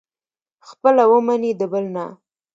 خپله ومني، د بل نه.